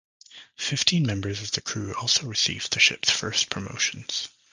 Fifteen members of the crew also received the ship's first promotions.